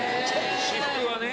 私服はね